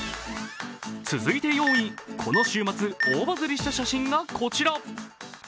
続いて４位、この週末大バズりした写真がこちら。